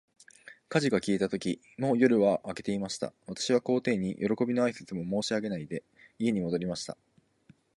火事が消えたとき、もう夜は明けていました。私は皇帝に、よろこびの挨拶も申し上げないで、家に戻りました。